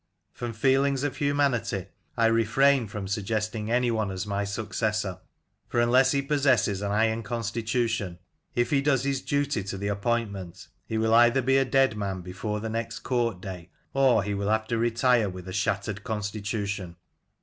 From feelings of humanity I refrain Ifrom sug gesting anyone as my successor, for unless he possesses an iron constitution, if he does his duty to the appointment, he will either be a dead man before the next court day or he will have to retire with a shattered constitution."